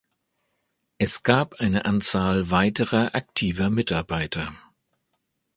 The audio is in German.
Es gab eine Anzahl weiterer aktiver Mitarbeiter.